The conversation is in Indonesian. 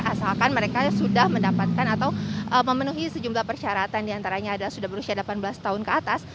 asalkan mereka sudah mendapatkan atau memenuhi sejumlah persyaratan diantaranya adalah sudah berusia delapan belas tahun ke atas